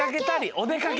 おでかけ！